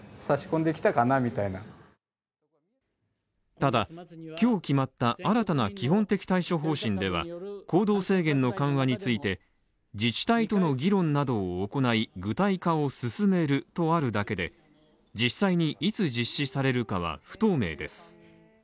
ただ今日決まった新たな基本的対処方針では行動制限の緩和について自治体との議論などを行い具体化を進めるとあるだけで実際にいつ実施されるかは不透明です